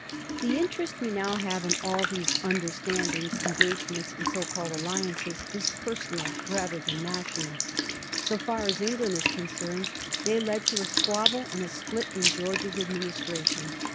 The interest we have now in all these * under standings/ engagements, and so called alliances, is personal rather than national. So far as England is concerned, they led to a squabble and a split in George's administration.